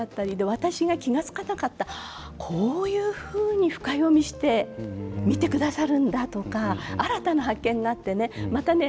私が気が付かなかったこういうふうに深読みして見てくださるんだとか新たな発見があってねまたね